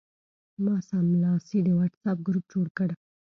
ما سملاسي د وټساپ ګروپ جوړ کړ.